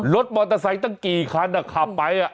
รถมอเตอร์ไซค์ตั้งกี่คันขับไป